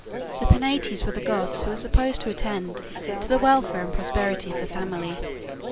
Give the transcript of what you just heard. The Penates were the gods who were supposed to attend to the welfare and prosperity of the family.